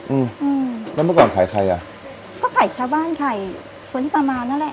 อืมอืมแล้วเมื่อก่อนขายใครอ่ะก็ไข่ชาวบ้านไข่คนที่ประมาณนั่นแหละ